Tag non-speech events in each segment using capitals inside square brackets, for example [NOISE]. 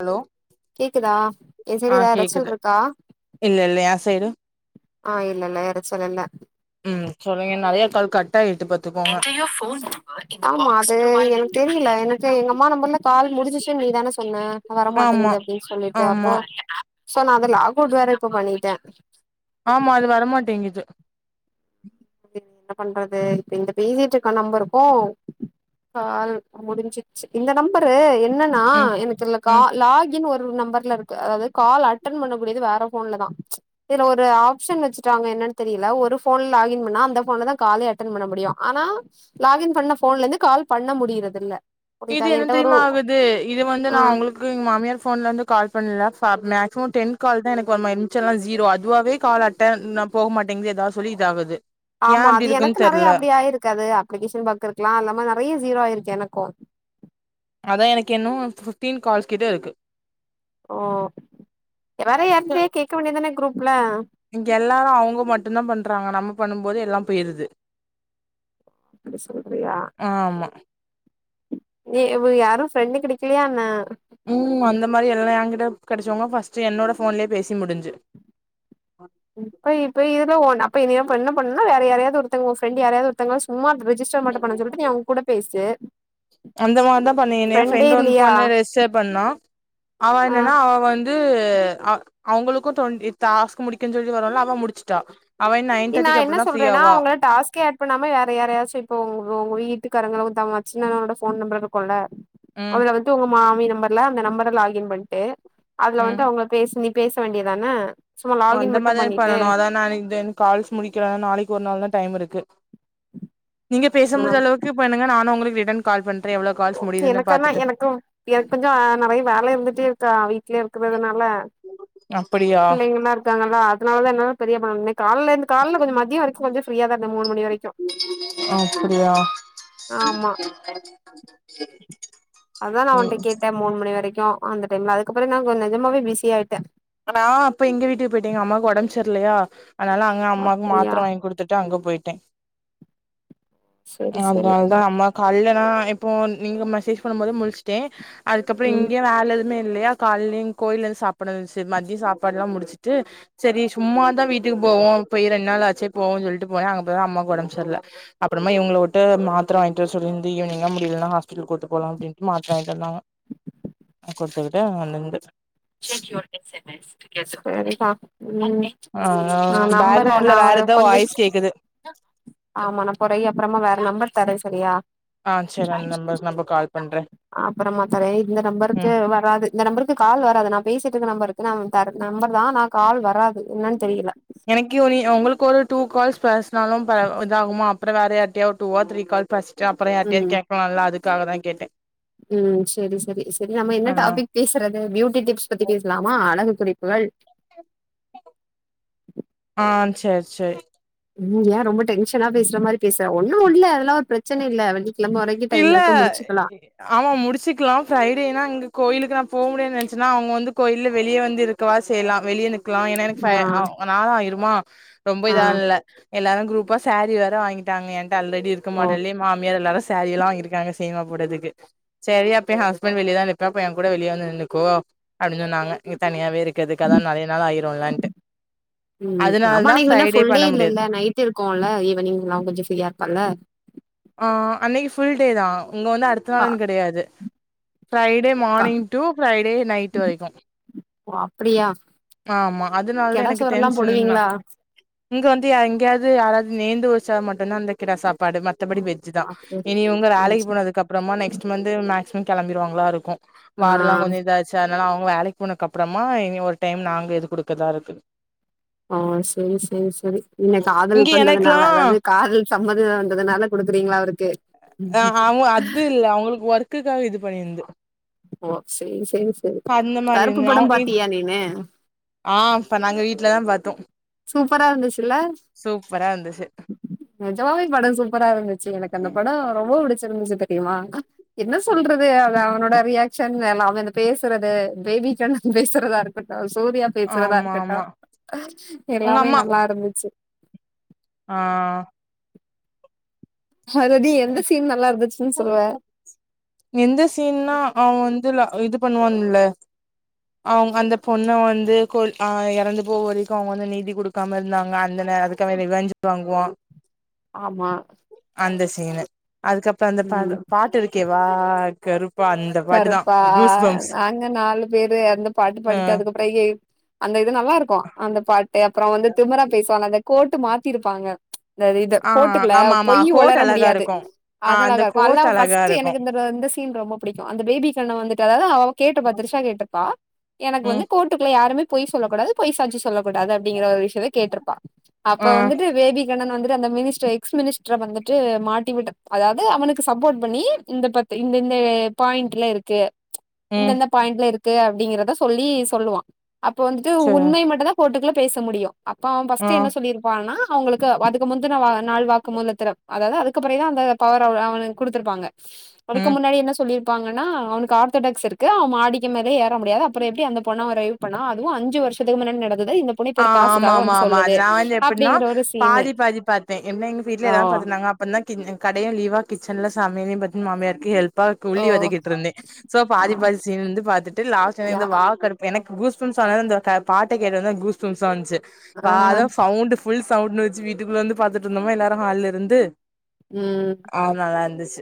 hello கேக்குதா ஏ ஆ சைடு எதாது எரச்சல் கேக்குது இருக்கா இல்ல இல்ல எ சைடு ஆ இல்ல இல்ல எரச்சல் இல்ல ம் சொல்லுங்க நெறய கால் கட் ஆயிட்டு பாத் எங்கயோ போனு ஆமா அது எனக்கு தெரியில எனக்கு எங்க அம்மா நம்பர்ல கால் முடிஞ்சிச்சு நீதான சொன்ன ஆமா வரமாட்டேங்குது அப்டின் சொல்லிட்டு ஆமா அப்போ சோ நா அத லாக்கவுட் வேற இப்ப பண்ணிட்டே ஆமா அது வரமாட்டிங்குது என்ன பண்றது இப்ப இந்த பேசிட்டு இருக்க நம்பருக்கு பேலன் முடிஞ்சிச்சி இந்த நம்பரு என்னனா ம் எனக்கு இதுல ம் கால் லாகின் ஒர்க் ரு நம்பர்ல இருக்கு அதாவது கால் அட்டன்‌ பண்ணக் கூடியது வேற போன்ல தா இதுல ஒரு ஆப்ஷன் வச்சுட்டாங்க என்னன்னு தெரியில ஒரு போன் லாகின் னா அந்த போன்ல தா காலே அட்டன் பண்ண முடியு ஆனா லாகின் பண்ண போன்ல இருந்து கால் பண்ண முடியிறது இல்ல இது புரியுதா என்ன என்கிட்ட ஒரு தெரியுமா ஆகுது இது வந்து ஆ நா உங்ளுக்கு எங்க மாமியார் போன்ல இருந்து கால் பண்லா ஃபார் மேக்ஸிமோ டென் கால் தா எனக்கு [UNINTELLIGIBLE] மிச்செல்லா ஷீரோ அதுவாவே கால் அட்டென் நா போக மாட்டேங்குது ஏதாது சொல்லி இதாகுது ஏ ஆமா அது அப்டி எனக்கு இருக்குன்னு நெறைய தெர்ல அப்டி ஆயிருக்கு அது அப்ளிகேஷன் பாக்குரக்குல அல்லாம நெறய ஷுரோ ஆயிருக்கு எனக்கு அதா எனக்கு இன்னு ஃபிப்டீன் கால்ஸ் கிட்ட இருக்கு ஓ வேற யார்கிட்டயாது கேக்க வேண்டியதான குரூப்ல இங்க எல்லாரு அவங்க மட்டுந்தா பண்றாங்க நம்ம பண்ணும் போது எல்லாம் போய்ருது அப்டி சொல்றியா ஆ ஆமா ஏ இவ யாரு ஃப்ரெண்டு் கிடைக்கலயா என்ன ம் அந்த மாரி எல்லா ஏகிட்ட கெடச்சவங்க ஃபஸ்ட்டு என்னோட போன்லே பேசி முடிஞ்சு இப்ப இப்ப இதுல ஒன் அப்ப இதயு பண்ண பண்ண வேற யாரயாவது ஒருத்தங்கள ஓ ஃப்ரெண்ட் யாரையாவது ஒருத்தங்கங்கள சும்மா‌ ரெஜிஸ்ட் ரிஜிஸ்டர் மட்டு பண்ண சொல்லிட்டு நீ அவங்க கூட பேசு அந்த மாதிரி தான் பண்ணனு எ ஃப்ரெண்டே ஃப்ரெண்ட் ஒண் இல்லையா பொண்ணு ரிஜிஸ்டர் பண்ணா அவா ஆ என்னன்னா அவா வந் து அவ் அவங்களுக்கு டொண்ட்டி டாஸ்க்கு முடிக்கன் சொல்லி வருலா அவா முடிச்சிட்டா ஏ நா என்ன சொல்றேன்னா அவங்கலா டாஸ்க்கே அட் இப்ப நம்ம வேற யாரயாச்சு இப்போ உ உங்க வீட்டுக்காரங்க உ தங் மச்சுனனானோட போன் நம்பர் இருக்குன்ள ம் அதுல வந்து உங்க மாமி நம்பர்ல அந்த நம்பர் லாகன் பண்ணிட்டு அதுல ம் வந்து அவங்க பேச நீ பேச வேண்டியதானா ஓ அந்த மாதிரியான பண்ணனும் அதான் நான்க்கு தேன் கால்ஸ் முடிக்கிற நாளைக்கு ஒரு நாள் தா டைம் இருக்கு நீங்க பேச முடிஞ்ச அளவு க்கு பண்ணுங்க நானு உங்களுக்கு ரிட்டன் கால் பண்றே எவ்வளோ கால்ஸ் முடியுதுன்னு எனக்கன்னா பாத்துட்டு எனக்கு எனக்கு கொஞ்சோ நெறய வேல இருந்துட்டே இருக்கா வீட்லே இருக்கதுனால அப்படியா பிள்ளைங்கல்லா இருக்காங்களா அதனால என்னவோ பெரிய ப இன்னைக்கு காலே இருந்து காலேல கொஞ்சோ மதியோ வரைக்கு கொஞ்சோ ஃப்ரியா தா மூணு மணி வரைக்கு அப்படியா ஆமா அ அததுதான் நான் அவன்ட கேட்டன் மூணு மணி வரைக்கும் அந்த டைம்ல அதுக்கப்புறோ நான் கொஞ்சோ நெஜமாவே பிஸி ஆயிட்டேன் நன்னா அப்ப எங்க வீட்டுக்கு போயிட்டே எங்க அம்மாக்கு உடம்பு செரி இல்லையா அதனால நா அம்மாக்கு அப்டியா மாத்திர வாங்கி கொடுத்துட்டு அங்க போயிட்டே செரி செரி அதனாலதான் நம்ம காலைல நா இப்போ நீங்க மசேஜ் பண்ணு போது முழிச்சுட்டே அதுக்கப்புறோ ம் இங்கய வேலை எதுமே இல்லையா காலைல கோயிலல இருந்து சாப்பிடச்சு மதியோ சாப்பாடு எல்லா முடிச்சட்டு செரி சும்மாதா வீட்டுக்கு போவோம் போய்ரெண்டு ரெண்டு நாள் ஆச்சே போவோ சொல்லிட்டு போனே அப்போதான் அம்மாக்கு உடம்பு செரியில்ல அப்புறமா இவங்க விட்டு மாத்திர வாங்கிட்டு சொல்லிருந்து ஈவினிங்கா முடியலலைன்னா ஹாஸ்பிட்டல் கூட்டு போலாம் அப்டின்ட்டு மாத்திர வாங்கிட்டு வந்தாங்க ம் கொடுத்து விட்டேன் அங்க நிண்டு செரி பா ம் ஆ ஆ நம்பற பேக்ரவுண்ட்ல நான் வேற ஒரு ஏதோ கொஞ்ச வாய்ஸ் கேக்குது ஆமானை பொறைய அப்புறமா வேற நம்பர் தரேன் செரியா ஆ சரி அந்த நம்பருக்கு நம்ம கால் பண்றே அப்புறமா தரேன் இந்த நம்பருக்கு ம் வா வராது இந்த நம்பருக்கு கால் வர அது நான் பேசிட்டு இருந்த நம்பருக்கு நா வந் தரேன் நம்பருதா ஆனா கால் வராது என்னன்னு தெரியல எனக்கி ஒரி உங்களுக்கு ஒரு டூ கால்ஸ் பர்சனாலும் ப இதாகுமா அப்புறம் வேற யாவ டூவா த்ரீ கால் பர் ட்டு அப்புறோ ம் யாரிட்டயும் கேட்கலாம்ல்ல அதுக்காகாதா கேட்டேன் ம் செரி செரி செரி நம்ம ஆ என்ன டாபிக் பேசுறது பியூட்டி டிப்ஸ் பத்தி பேசலாமா அழகு குறிப்புகள் ஆ செரி செரி ம் ஏன் ரொம்ப டென்ஷனா பேசுற மாதிரி பேசுறன் ஒன்னுயில்ல அதல்லா ஒரு பிரச்சன இல்ல வெளி கிளம்ப வரைக்கு டைம் இல்ல இருக்கு முடிச்சுக்கலா ஆமா முடிச்சுக்கலாம் ஃரைடேனா இங்க கோயிலுக்கு நான் போ முடியேன்ன நினைச்சுன்னா அவங்க வந்து கோயில வெளியே வந்து இருக்கு இருக்கவா செய்யலா வெளியே நிக்கலா ஏன்னா ஃபைவ் ஆ எனக்குனாலான்யமா ரொம்ப ஆ இதான் இல்ல எல்லாரு குரூப்பா சாரீ வேற வாங்கிட்டாங்க ஏன்ட்ட ஆல்ரெடி இருக்கு ஓ மாடல்லே மாமியார் எல்லாரு சேரீல்லா வாங்கிருக்காங்க சீன போடுறதுக்கு சரி அப்போ ஏ ஹஸ்பண்ட் வெளியில தா நிப்பா போய் அவன் கூட வெளிய வந்த நின்னுக்கோ அப்டின்னு சொன்னாங்க நீ தனியாவே இருக்குகதுக்கு அதா நெறைய நாள் ஆயிருல்லன்ட்டு அதனால தா ஃப்ரைடே பண்ண முடியல த்து இருக்கோல்ல ஈவினி் எல்லா கொஞ்சோ ஃப்ரீயா இருப்பல்ல ஆ அன்னக்கி ஃபுல் டே தா உங்க வந்து அடுத்த கா நாள்ன்னு கெடையாது ஃப்ரைடே கா மார்னிங் டூ ஃப்ரைடே நைட் வரிக்கு ஓ அப்டியா ஆம்மா அதனாலதா கெடா எனக்கு சோறெல்லா டென்ஷன் தா போடுவீங்களா இங்க வந்து எங்கயாவுது யாராவுது நேந்து வச்சா மட்டும்தா அந்த கிடா சாப்பாடு மத்தபடி வெஜு தா அப்டி இனி இவுங்க வேலக்கு போனதுக்கு அப்றமா நெக்ஸ்ட் மந்து மேக்சிமம் கெளம்பிடுவாங்ளா இருக்கு ஆ வார்ல்லா கொஞ்சோ இதாச்சு சரி அதனால அவுங்க வேலக்கு போனதுக்குப்றோமா இனி ஒரு டைம் நாங்க இது குடுக்கறதா இருக்கு ஓ சேரி சேரி சேரி என்ன காதல் இங்க பண்ணதுனால எனக்கெல்லா அதாவுது காதல் சம்மதிங்கறதுனால குடுக்குறீங்ளா அவுருக்கு ஆ அவுங்க அத்து இல்ல அவுங்களுக்கு ஒர்க்குக்காக இது பண்ணியிருந்து ஓ சேரி சேரி சேரி அந்த மாரி கருப்பு இருந்து படோ அவ இ பாத்தியா நீனு ஆ அப்ப நாங்க வீட்ல தா பாத்தோ சூப்பரா இருந்துச்சுல்ல சூப்பரா இருந்துச்சு நெஜமாவே படோ சூப்பரா இருந்துச்சு எனக்கு அந்த படோ ரொம்ப பிடிச்சிருந்துச்சு தெர் யுமா என்ன சொல்றது அவன் அவனோட ரியாக்ஷன் எல்லாமே அந்த பேசுறது பேபி கண்லா பேசுறதா இருக் இருக்கட்டு சூர்யா பேசுறதா ஆமா இருக்கட்டு ஆமா உங்க எல்லாமே அம்மா நல்லா இருந்துச்சு ஆ ஹததீ எந்த சீன் நல்லா இருந்துச்சுன்னு சொல்வ எந்த சீன்ன்னா அவன் வந்து இது பண்வான்ல அவுங்க அந்த பொண்ணு வந்து கோ அ எறந்து போவ வரைக்கு அவுங்க வந்து நீதி குடுக் க்காம இருந்தாங்க அந்த நே அதுக்காக ரிவெஞ்சு வாங்குவா ஆமா அந்த சீனு அதுக்கப்றோ அந்த பா ம் பாட்டு இருக்கே வா கருப் கருப்பா நாங்க நாலு பேரு அந்த பாட்டு ஆ பாடிட்டு அதுக்கப் ப்பைரையை அ அந்த இது நல்லா இருக்கு அந்த பாட்டு அப்றோ வந்து திமரா பேசுவாங்க அந்த கோட்டு மாத்திருப்பாங்க இந்த இத ஆ கோட்டுக்குள்ள ஆமா ஆமா பொய் கோட் ஒளர அழகா முடியாது இருக்கு ஆ அது அந்த அழகா இருக்கு கோட் அல்லாம அழகா ஃபர்ஸ்ட் இருக்கு எனக்கு இந்த இந்த சீன் ரொம்ப பிடிக்கு அந்த பேபி கண்ணு வந்துட்டு அதாவுது அவ கேட்ருப்பா திரிஷா கேட்ருப்பா எனக்கு ம் வந்து கோட் டடுகுள்ள யாருமே பொய் சொல்ல கூடாது பொய் சாச்சி சொல்லகூடாது அப்டிங்கிற ஒரு விஷியத்த கேட்ருப்பா அப்ப ஆ வந்துட்டு பேபி கெனன் வந்துட்டு அந்த மினிஸ்டர் எக்ஸ் மினிஸ்டர் வந்துட்டு மாட்டிவிட அதாவுது அவனுக்கு சப்போர்ட் பண்ணி இந்த பத்து இந்த பாயிண்ட்ல இருக்கு ம் இந்த பாயிண்ட்ல இருக்கு அப்டிங்கிறத சொல்லி சொல்லுவா அப்ப வந்துட்டு சரி உண்மை மட்டுதா கோர்ட்டுக்குள்ள பேச முடியு அப்ப அவன் ஆ ஃபர்ஸ்ட் என்ன சொல்லி ருப்பானா அவுங்களுக்கு அதுக்கு முந்தின வா நாள் வாக்கு மூலத்திர அதாவுது அதுக்கு அதுக்குபிறகுதா அந்த பவர அவனுக் குடுத்தருப்பாங்க ம் அதுக்கு முன்னாடி என்ன சொல்லிருப்பாங்கன்னா அவனுக்கு ஆர்த்தடாக்ஸ் இருக் கு அவ மாடிக்கு மேலே ஏற முடியாது அப்றோ எப்டி அந்த பொண்ண ரைவ் பண்ணா அதுவு அஞ்சு வருஷத்துக்கு மின்னாடி நடந்தது இந்த பொண்ணு ஆ இப்ப ஒரு ஆமா காசுக்காக ஆமா வந்து ஆமா அது சொல்லுது நா வந்து எப்டின்னா அப்டிங்கிற ஒரு சீனு பாதி பாதி பாத்த என்ன எங்க வீட்ல ஆ எல்லாரு பாத்துட்டு இருந்தாங்க அப் பன்னா கடையு லீவா கிச்சன்ல சமையலு பாத் மாமியருக்கு ஹெல்ப் பாக்கு ஓ உள்ளி வதக்கிட்ருந்தே சோ ஆ பாதி பாதி சீனு வந்து பாத்துட்டு லாஸ்ட்டு எனைக் யா வந்து வா கருப் எனக்கு கூஸ்பம்ஸ் ஆனது அந்த த பாட்ட கேட்டு வந்துதா கூஸ்பம்ஸ் ஆன்ச்சு ஆ வா அதோ சவுண்ட்டு ஃப் ஃபுல் சவுண்ட் வெச்சு வீட்டுக்குள்ள வந்து பாத்துட்ருந்தோமா எல்லாரும் ஹால்ல இருந்து ம் ஆ நல்லா இருந்துச்சு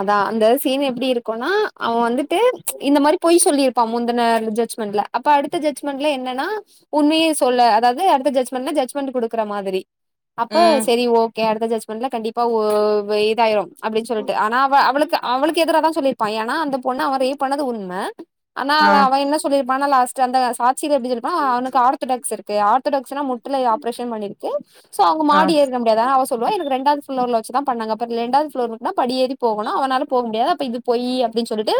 அதா அந்த சீன் எப்புடி இருக்குன்னா அவன் வந்துட்டு இந்த மாரி போய் சொல்லியிருப்பான் முந்துன ஜட்ஜ்மெண்ட்ல அப்ப அடுத்த ஜட்ஜ்மெண்ட்ல என்னன்னா உண்மையே சொல்ல அதாவ்து அடுத் த ஜட்ஜ்மெண்ட்ல ஜட்ஜ்மெண்ட்டு குடுக்குற மாதிரி அப்ப ம் செரி ஓக் கே அடுத்த ஜட்ஜ்மெண்ட்ல கண்டிப்பா ஓ வு இதாயிரும் அப்புடின்னு சொல்லிட்டு ஆனா அவ அவளுக்கு அவளுக்கு எதுராதா சொல்லிருப் பா ஏனா அந்த பொண்ணு அவ ரேப் பண்ணது உண்ம ஆனா ஆ அவ அவ என்ன சொல்லிருப்பான்னா லாஸ்ட்டு அந்த சாத் [UNINTELLIGIBLE] அவனுக்கு ஆர்த்தடாக்ஸ் இருக்கு ஆர்த்தடாக்ஸ் னா முட்டில ஆப்ரேஷன் பண்ணிருப் பண்ணிருக்கு கே சோ அவங்க ஆ மாடி ஏற்ற முடியாதா அவ சொல்லுவா எனக்கு ரெண்டாவது ஃப்ளோர்ல வச்சு தா பண்ணாங்க அப்ப ரெண்டாவது ஃப்ளோர்ருக்குன்னா படி ஏறி போகணும் அவனால போக முடியாது அப்ப இது போய் அப்புடின்னு சொல்லிட்டு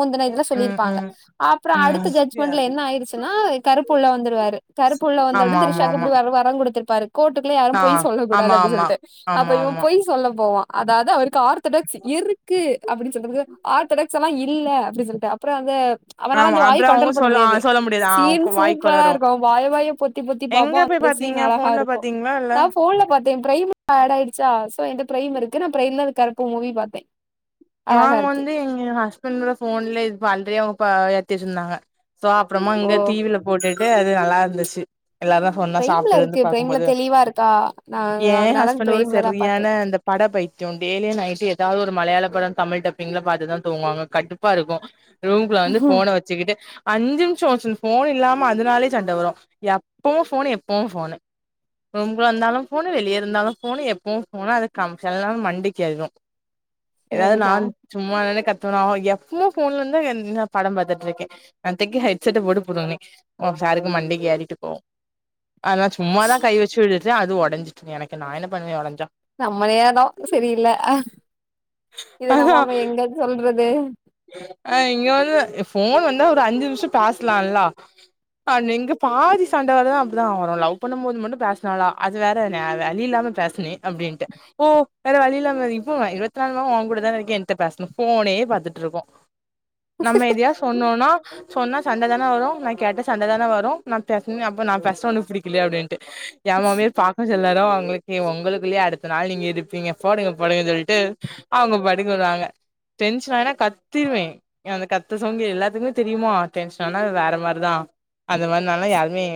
முந்தின இதுல ம் சொல்லியிருப்பாங்க ம் அப்புறோ அடுத்த ம் ஜட்ஜ்மெண்ட்ல என்ன ஆயிடுச்சுன்னா கருப்பூள்ள வந்துருவாரு கருப்பூள்ள ஆமா வந்தவுடுந்து ஆமா ஆமா ரிஷாக்குப்புடி வருவா ரங் குடுத்துப்பாரு கோரட்டுக்குல்லா யாரும் ஆ போய் சொல்லக் கூடாது ஆமா அப்டி ஆமா சொல்லிட்டு அப்ப ஆமா இவ ஆமா போய் ஸ் சொல்ல போவா அதாவ்து அவருக்கு ஆர்த்தடக்ஸ் இருக்கு அப்புடின்னு சொல்றதுக்கு ஆர்த்தடக்ஸ் எல்லா இல்ல அப்புடி சொல்ட்ட அப்புறோ அந்த அவனால ஆமா அந்த வாயி அப்புறோ அவங்க கண்ட்ரோல் பண்ண சொல்ல ஆ முடியாது சொல்ல ஆ சீன் வாய் சூப்பரா கொளரு இருக்கும் அவ வாய வாய பொத் த்தி பொத்தி எங்க பாப்பா போய் அந்த சீன் பாத்தீங்க அழகா போன்ல இருக்கும் பாத்தீங்களா இல்ல நான் ஃபோன்ல பாத் என் ப்ரைமு ஆட் ஆயிடுச்சா சோ என்ட ப்ரைம் இருக்கு நா ப்ரைம்ல அந்த கருப்பு மூவி பாத்தே அழகா நாங்க இருக்கு வந்து எங்க ஹஸ்பண்டோட ஃபோன்ல இது [UNINTELLIGIBLE] ப ஏத்தி வெச்சிருந்தாங்க சோ அப்புறமா ஓ இங்க டி வில போட்டுட்டு அது நல்லாருந்துச்சு எல்லாரு ஒன்னா பிரைம்ல சாப்ட்டு இருந்து இருக்கு பிரைம்ல பாக்குபோது தெளிவா இருக்கா நா ஏ அதனால ஹஸ்பண்ட் ஒரு பிரைம்ல தா பாத்தே சரியான இந்தப் பட பைத்தியோ டெய்லியு நைட்டு எதாவுது ஒரு மலையாள படோ தமிழ் டப்பிங்ல பாத்துதா தூங்குவாங்க கட்டுப்பா இருக்கும் ரூம்க்குள்ள வந்து ஃபோன வச் சிக்கிட்டு அஞ்சு நிமிஷோ [UNINTELLIGIBLE] ஃபோன் இல்லாம அதுனாலே சண்ட வரும் எப்பவும் ஃபோனு எப்பவும் ஃபோனு ரூம்குள்ள இருந்தாலு ஃபோனு வெளியே இருந்தாலு ஃபோனு எப்பவு ஃபோனு அது கம் சில நேரோ அந்த மண்டைக்கு ஏறிரு ஏதாது சரிதா நான் சும்மானான்னே கத்துவனா எப்பமு ஃபோன்ல இருந்தா என்னா படம் பாத்துட்ருக்கே நேத்தைக்கி ஹெட்செட்ட போட்டு புடுங்குனே ஒ சாருக்கு மண்டைக்கி ஏறிட்டு கோவோ அத நா சும்மாதா கை வச்சு இழுத்தே அது ஒடஞ்சிட்டு எனக்கு நா என்ன பண்ணுவே ஒடஞ்சா நம்ம நேரோ செரியில்ல இத நம்ம அப்றோ எங்கன் சொல்றது அ இங்க வந்து எ ஃபோன் வந்தா ஒரு அஞ்சு நிம்ஷோ பேசலால்லா அன் இங்க பாதி சண்ட வறது அப்புடிதா வரு லவ் பண்ணுபோது மட்டு பேஸ்னாலா அது வேற நே வழி இல்லாம பேஸ் ச்சுனே அப்டின்ட்டு ஓ வேற வழியிலாம இது இப்போ அ இருவத் நாலுமண் நேரோ ஒன் கூட தான இருக்கே என்த்த பேசுணு ஃபோனே பாத்துட் ட்ருக்கு நம்ம எதயா சொன்னோன்னா சொன்னா சண்ட தானே வரு நா கேட்ட சண்ட தானே வரு நா பேஸ்னே அப்போ நா பேஸ்னா உனக் புடிக்கிலியா அப்டின்ட்டு ஏ மாமியா பாக்கு சில் நேரோ அவுங்களுக்கு ஏ உங்களுக்குள்ளயே அடுத்த நாள் நீங்க இருப்பீங்க போடுங்க போடுங்கனு சொல்ட்டு அவுங்க பாட்டுக்கு வருவாங்க டென்ஷனானா கத்திருவே ஏ அந்த கத்த சவுண்ட் எல்லாத்துக்குமே தெரியுமா டென்ஷன் ஆனா இவ வேற மாரிதா அந்த மாரி நாலா யாருமே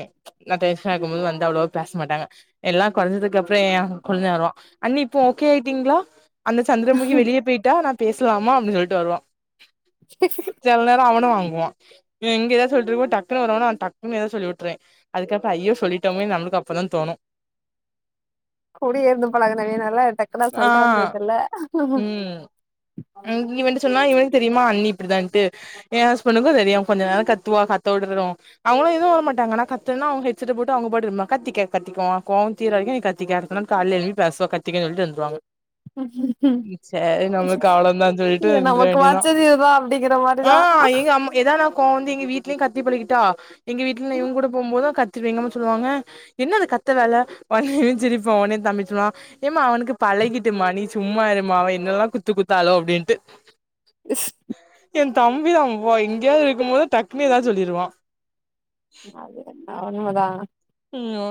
நா டென்ஷனா இருக்குபோது வந்து அவ்ளோவா பேச மாட்டாங்க எல்லா கொறஞ்சதுக்கு அப்றோ ஏ கொழுதே வருவா அண்ணி இப்போ ஓகே ஆயிட்டீங்ளா அந்த சந்திரமுகி வெளிய போய்ட்டா நா பேசலாம அப்டினு சொல்ட்டு வருவா [UNINTELLIGIBLE] செல்ல நேரோ அவனு வாங்குவா இங்க எதாது சொல்லிட்டு இருக்கு போது டக்குனு வருவானா டக்குனு எதாது சொல்லி உட்ருவே அதுக்கப்றோ ஐயோ சொல்லிட்டொமே நம்மளுக்கு அப்போதா தோணு குடயே இருந்து பழகுனவியனால டக்குனு ஆ அசால்ட்ட வந்துருதில்ல ம் இவன்ட்ட சொன்னா இவனுக் தெரியுமா அண்ணி இப்டிதான்ட்டு ஏ ஹஸ்பண்டுக்கு தெரியு கொஞ்ச நேரோ கத்துவா கத்தவிடருவோ அவங்களு எதுவு உதுவு மாட்டாங்க நா கத்துன்னா அவுங்க ஹெட்செட்ட போட்டு அவுங்க பாட்டுக்கு இருப்பாங்க கத்திக்கே கத்திக்கோ கோவோ தீர வரைக்கு நீ கத்திக்க அடுத்த நாள் கால்ல எழுப்பி பேசுவ கத்திக்கனு சொல்லிட்டு இருந்துருவாங்க சேரி நம்மளுக்கு அவ்ளோந்தானு சொல்லி நமக்கு வாச்சது இதுதா அப்டிங்கெற மாரிதா நம்க்கு எதாது நா கோவோ வந்து எங்க வீட்லயு கத்தி பமக்கீட்டா எங்க வீட்ல மாரிதா இவன் கூட போம்போது கத்துவே எங்கம்மா சொல்லுவாங்க என்ன இது கத்த வேல ஒட்னே இவ சிரிப்பா ஒட்னே தம்பி சொல்லுவா ஏம்மா அவனுக்கு பழகிட்டு மா நீ சும்மா இருமா அவ என்னெல்லா குத்து குத்தாலோ அப்டின்ட்டு ஸ் ஏன் தம்பி தா பா எங்கேயாது இருக்கும்போது டக்குனு எதாது சொல்லிருவான் அது உண்மதா ம்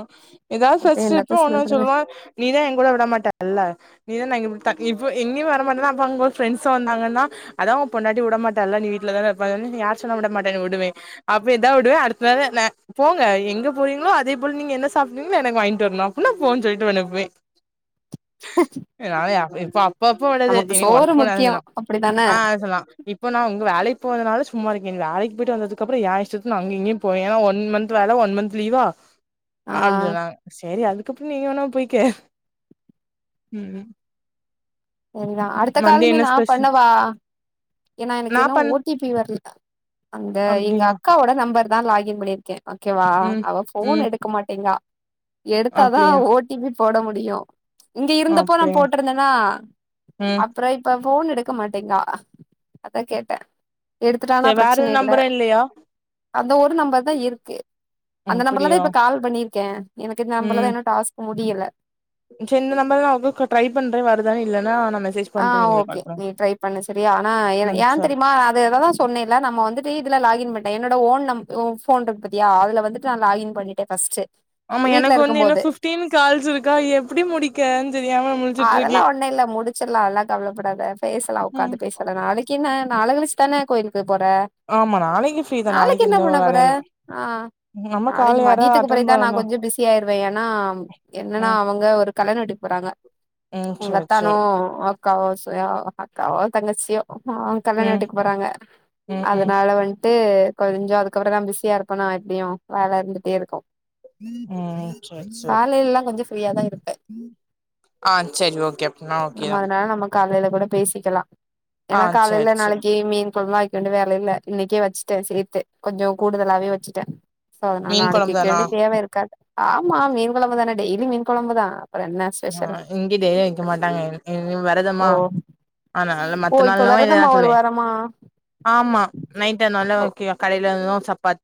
எதாது இப்ப ஃபர்ஸ்ட் ட்ரிப் என்னத்த ஒன்னு சொல்றது சொல்லுவா நீதா ஏன் கூட விடமாட்ட அல்ல நீதா நா எங்க இப்ப எங்கயு வர மாட்டேன்னா அப்ப அங்க ஃப்ரெண்ட்ஸ் வந்தாங்கன்னா அதா ஊ பொண்டாட்டி உடமாட்டால்ல நீ வீட்ல தான இருப்ப யார் சொன்ன உட மாட்டேனு உடுவே அப்ப எதா உடுவே அடுத்த நாள் ந போங்க எங்க போறீங்ளோ அங் அதே போல நீ என்ன சாப்டுறிங்ளோ எனக்கு வாங்கிட்டு வரனு அப்டினா போனு சொல்லிட்டு உன்ன அனுப்புவே யாலு இப்ப அப்போ அப்போ விடது நமக்கு இனி சோறு வர்க் போனாதா முக்கியோ சொல்லு அப்டிதான ஆ சொல்லுவா இப்போ நா உங்க வேலைக்கு போகாதனால சும்மா இருக்கே இன் வேலைக்கு போய்ட்டு வந்ததுக்கப்றோ என் இஷ்டத்துக்கு நா அங்க்யு இங்க்யு போ ஏ வன் மந்த் வேல வன் மந்த் லீவா ஆ அப்டின் சொன்னாங்க சேரி அதுக்கு அப்றோ நீங்க வேணா போய்க்க ம் ம் செரிதா அடுத்த காலுமே நா ஸ்பெஷல் பண்ணவா எனா எனக்கு நா இன்னு பண் ஓ டி பி வரல் அந்த எங்க அப்டியா அக் அக்காவோட நம்பர் தா லாக் இன் பண்ணிர்க்கே ஓகேவா ம் அவ போன் ம் எடுக்க மாட்டேங்கா எடுத்தாதா அப்டியா ஓ டி பி போட முடியு இங்க இருந்தப்போ நா அப்டியா போட்ருந்தனா ம் அப்பறொ இப்போ ஃபோன் எடுக்க மாட்டேங்கா அதா கேட்டே எடுத்துட்டானா சரி வேற ப்ரச்சன எது இல்ல நம்பரும் இல்லையா அந்த ஒரு நம்பர் தா இருக்கு அந்த நம்பர் ல தா அப்டியா இப்ப கால் பண்ணிர்க்கே எனக்கு இது நம்பர்லதா எஇன்னு டாஸ்க் முடியல செரி இந்த நம்பர்தா உங்களுக்கு ட்ரை பண்ற வருதான்னு இல்லன்னா நா மெசேஜ் ஆ பண்றேன் நீங்களே ஓகே கால் பண்ணுங்க நீ ட்ரை பண்ணு செரியா ஆனா ஏ ம் ஏன் சரி தெரியுமா அது அததா சொன்னே இல்ல நம்ம வந்துட்டு இதில லாக் இன் பண்ட்டே என்னோட ஓன் நம் ஓ ஃபோன் இருக் பாத்தியா அதில வந்துட்டு நா லாக் இன் பண்ணிட்டே ஃபஸ்ட்டு ஆமா எனக்கு வந்து இன்னு ஃபுஃப்டீன் கால்ஸ் இருக்கா எப்டி முடிக்க ன்னு தெரியாம முழுச்சுட்ருக்கே இன் இல்ல முடுச் சற்லா எல்லா கவலப்படாத பேசலா ம் ஒக்காந்து பேசலா நாளெக்கி என்ன நாள கழுச்சுதான கோயிலுக்கு போற ஆமா நாளைக்கு ஃப்ரீ தான் நாளெக் நாளைக்கு என்ன எந்த பண்ண போற வேலையும் இல்ல ஆ நம்ம நாளெக்கி கால் யாரா மதியத்துக்கு அட்டன் பெறகுதா நா பண்ணணும் கொஞ்சொ பிஸி ஆயிருவே ஏனா என்னன்னா ம் அவ்ங்க ஒரு கலநட்டுக்கு போறாங்க ம் உங்க சரி அத்தானு சரி அக்காவோ சு ஆ அக்காவோ தங்கச்சியோ ஆ ம் கலநட்டுக்கு போறாங்க ம் ம் அதனால வந் ட்டு கொஞ்சொ அதுக்கு அப்பறொந்தா பிஸியா இருப்பனா எப்டியு வேல இருந்துட்டே இருக்கு ம் சேர் சேர் காலையில எல்லா கொஞ்சோ ஃப்ரீயாதா இருப்பே ஆ செரி ஓகே அப்டின்னா நம்ம ஓகேதா அதனால நம்ம காலையில கூட பேசிக்கலா ஆ ஏன்னா காலையில சேர் சேர் நாளைக்கு மீன் போதுலாய் ரெண்டு வேலையில இன்னைக்கே வெச்சிட்டே சேத்து கொஞ்சோ கூடுதலாவே வேச்சிட்டே சோ அதனால மீன் நாளைக்கு கொழம்பு தானா கேது தேவே இருக்காது ஆமா மீன் கொழம்பு தானே டெய்லி மீன் கொழம்பு தா அப்றோ என்ன ஆ ஸ்பெஷல் இங்க டேய்லியு வெக்க மாட்டாங்க இனி இவர் ஓ என்னதம்மா அதனால ஓ மத்த இப்ப நாள்லா இததா வெரதமா ஒரு சொல்லே வாரமா ஆமா நைட் ஓ ஆனாலு கி கடையிலனு சப்பாத்